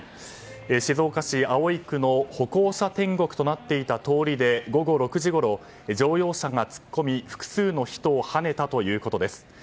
静岡市葵区の歩行者天国となっていた通りで午後６時ごろ乗用車が突っ込み複数の人をはねたということです。